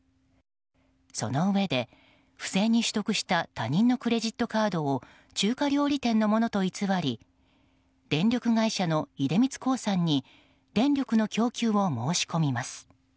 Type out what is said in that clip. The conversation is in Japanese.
そのうえで不正に取得した他人のクレジットカードを中華料理店のものと偽り電力会社の出光興産に電力の供給を申し込みます。